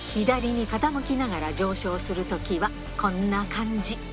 左に傾きながら上昇するときは、こんな感じ。